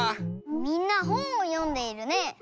みんなほんをよんでいるね。